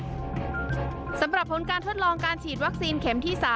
สำหรับผลการทดลองการฉีดวัคซีนเข็มที่๓